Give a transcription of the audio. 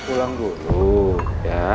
pulang dulu ya